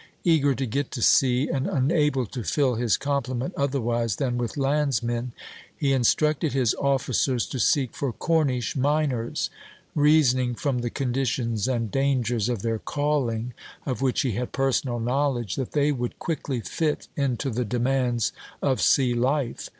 Eager to get to sea and unable to fill his complement otherwise than with landsmen, he instructed his officers to seek for Cornish miners; reasoning from the conditions and dangers of their calling, of which he had personal knowledge, that they would quickly fit into the demands of sea life.